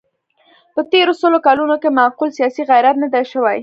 په تېرو سلو کلونو کې معقول سیاسي غیرت نه دی شوی.